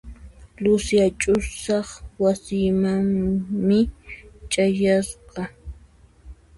Lucia ch'usaq wasimanmi chayasqa.